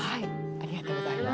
ありがとうございます。